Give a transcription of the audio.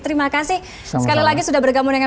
terima kasih sekali lagi sudah bergabung dengan